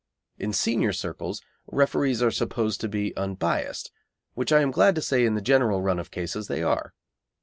In senior circles referees are supposed to be unbiassed, which I am glad to say in the general run of cases they are.